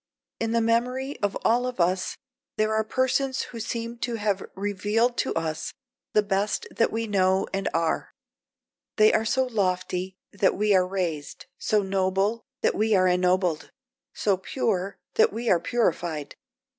In the memory of all of us there are persons who seem to have revealed to us the best that we know and are; they are so lofty that we are raised, so noble that we are ennobled; so pure that we are purified.